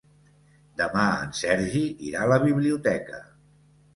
Demà en Sergi irà a la biblioteca.